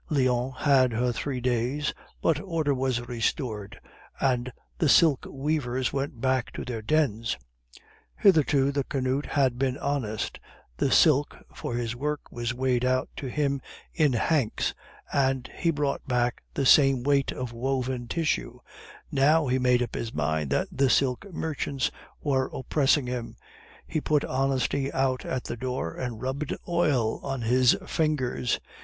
Lyons had her Three Days, but order was restored, and the silk weavers went back to their dens. Hitherto the canut had been honest; the silk for his work was weighed out to him in hanks, and he brought back the same weight of woven tissue; now he made up his mind that the silk merchants were oppressing him; he put honesty out at the door and rubbed oil on his fingers.